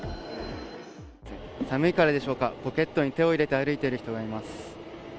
寒いからでしょうかポケットに手を入れて歩いている人がいます。